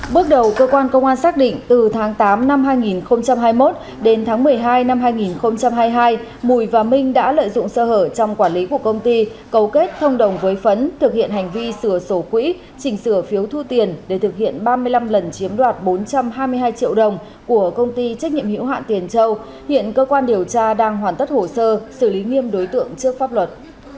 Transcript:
bước đầu cơ quan công an xác định từ tháng tám năm hai nghìn hai mươi một đến tháng một mươi hai năm hai nghìn hai mươi hai mùi và minh đã lợi dụng sơ hở trong quản lý của công ty cầu kết thông đồng với phấn thực hiện hành vi sửa sổ quỹ trình sửa phiếu thu tiền để thực hiện ba mươi năm lần chiếm đoạt bốn trăm hai mươi hai triệu đồng của công ty trách nhiệm hiểu hạn tiền châu hiện cơ quan điều tra đang hoàn tất hồ sơ xử lý nghiêm đối tượng trước pháp luật